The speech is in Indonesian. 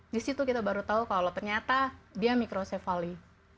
di situ kita baru tahu kalau ternyata dia mikrosefali